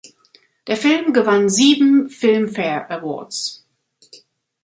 Der Film gewann sieben Filmfare Awards.